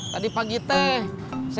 tadi pagi teh saya kebelet